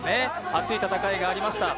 熱い戦いがありました。